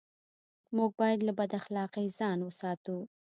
موږ بايد له بد اخلاقۍ ځان و ساتو.